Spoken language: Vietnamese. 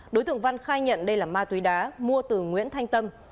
đối tượng văn khai nhận đây là ma túy đá mua từ nguyễn thanh tâm